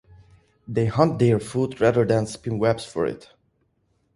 They hunt their food rather than spin webs for it.